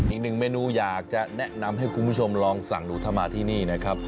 อีกหนึ่งเมนูอยากจะแนะนำให้คุณผู้ชมลองสั่งดูถ้ามาที่นี่นะครับ